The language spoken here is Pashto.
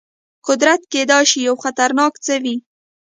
قدرت کېدای شي یو خطرناک څه وي.